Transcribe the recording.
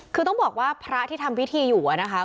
คือต้องบอกว่าพระที่ทำพิธีอยู่นะคะ